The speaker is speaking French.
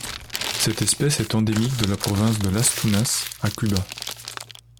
Cette espèce est endémique de la province de Las Tunas à Cuba.